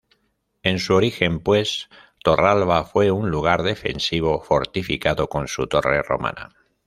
En su origen pues Torralba fue un lugar defensivo fortificado con su torre romana.